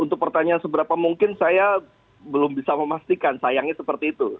untuk pertanyaan seberapa mungkin saya belum bisa memastikan sayangnya seperti itu